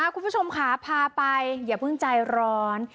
คุณผู้ชมค่ะพาไปอย่าเพิ่งใจร้อน